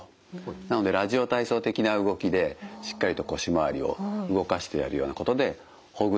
なので「ラジオ体操」的な動きでしっかりと腰回りを動かしてやるようなことでほぐしてあげる。